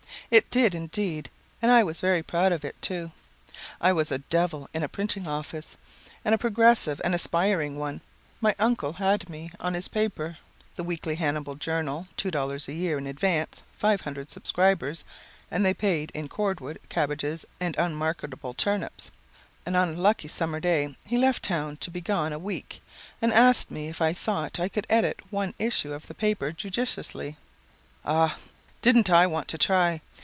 It did, indeed, and I was very proud of it, too. I was a 'devil' in a printing office, and a progressive and aspiring one. My uncle had me on his paper, (the Weekly Hannibal Journal, $2 a year, in advance 500 subscribers, and they paid in cordwood, cabbages, and unmarketable turnips.) and on a lucky Summer day he left town to be gone a week, and asked me if I thought I could edit one issue of the paper judiciously. Ah, didn't I want to try!